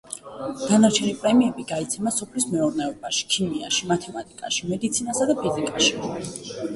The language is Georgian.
დანარჩენი პრემიები გაიცემა სოფლის მეურნეობაში, ქიმიაში, მათემატიკაში, მედიცინასა და ფიზიკაში.